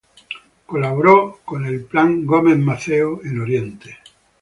Colaboró con el Plan Gómez-Maceo en Oriente.